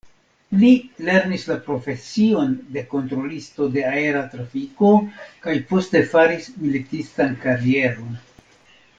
Li lernis la profesion de kontrolisto de aera trafiko kaj poste faris militistan karieron.